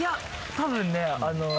たぶんね。